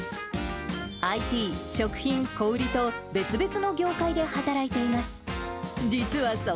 ＩＴ、食品、小売りと別々の業界で働いています。